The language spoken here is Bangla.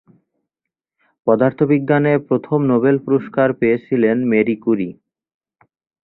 পদার্থবিজ্ঞানে প্রথম নোবেল পুরস্কার পেয়েছিলেন মেরি ক্যুরি।